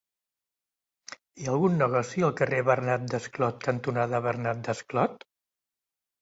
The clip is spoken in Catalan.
Hi ha algun negoci al carrer Bernat Desclot cantonada Bernat Desclot?